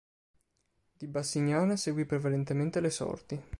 Di Bassignana seguì prevalentemente le sorti.